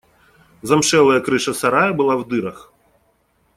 Замшелая крыша сарая была в дырах.